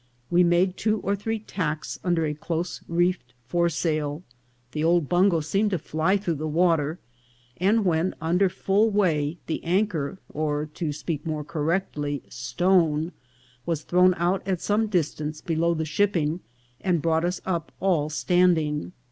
We made two or three tacks under a close reefed foresail; the old bungo seemed to fly through the water ; and, when under full way, the anchor, or, to speak more correctly, stone, was thrown out at some distance below the ship ping, and brought us up all standing.